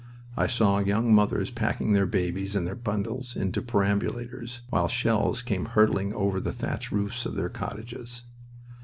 I saw young mothers packing their babies and their bundles into perambulators while shells came hurtling over the thatched roofs of their cottages.